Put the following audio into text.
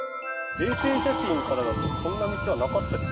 衛星写真からだとこんな道はなかった。